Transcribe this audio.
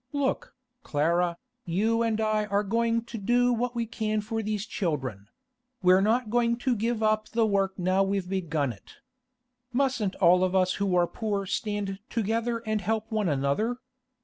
Look, Clara, you and I are going to do what we can for these children; we're not going to give up the work now we've begun it. Mustn't all of us who are poor stand together and help one another?